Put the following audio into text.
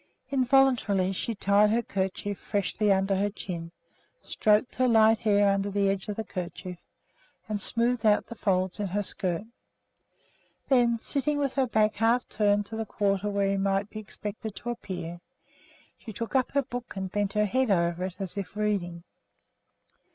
Involuntarily she tied her kerchief freshly under her chin, stroked her light hair under the edge of the kerchief, and smoothed out the folds in her skirt. Then, sitting with her back half turned to the quarter where he might be expected to appear, she took up her book and bent her head over it as if reading.